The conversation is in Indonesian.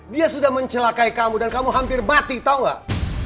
dia sudah mencelakai kamu dan kamu hampir batik tahu gak